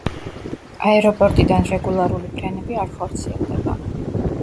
აეროპორტიდან რეგულარული ფრენები არ ხორციელდება.